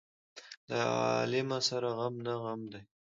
د عالمه سره غم نه غم دى.